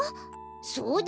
そうだよ